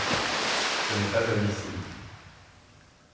Ce n’est pas admissible.